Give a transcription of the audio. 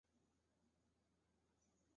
好好学习所有的知识